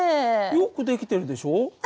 よく出来てるでしょ？